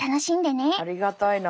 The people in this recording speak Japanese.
ありがたいな。